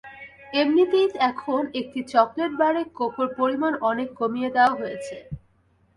এমনিতেই এখন একটি চকলেট বারে কোকোর পরিমাণ অনেক কমিয়ে দেওয়া হয়েছে।